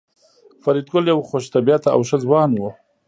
فریدګل یو خوش طبیعته او ښه ځوان و